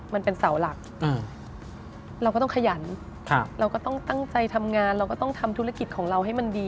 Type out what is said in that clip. มันเป็นเสาหลักเราก็ต้องขยันเราก็ต้องตั้งใจทำงานเราก็ต้องทำธุรกิจของเราให้มันดี